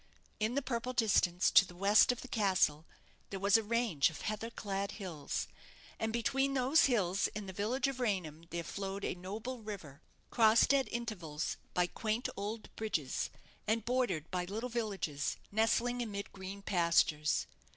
In the purple distance, to the west of the castle, there was a range of heather clad hills; and between those hills and the village of Raynham there flowed a noble river, crossed at intervals by quaint old bridges, and bordered by little villages, nestling amid green pastures.